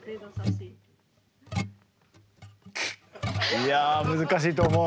いや難しいと思う。